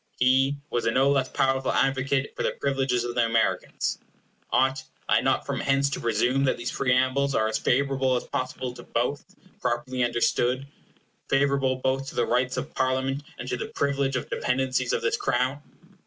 He was a no less powerful advocate for the privileges of the Americans. Ought I not from hence to presume that these preambles are as favorable as possible to both, when properly understood; favorable both to the rights of Parliament, and to the privilege of the dependencies of this Crown?